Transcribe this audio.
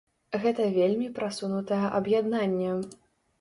Гэта вельмі прасунутае аб'яднанне.